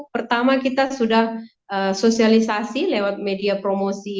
pertama kita sudah sosialisasi lewat media promosi